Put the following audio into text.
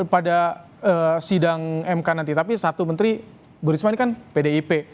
pada sidang mk nanti tapi satu menteri bu risma ini kan pdip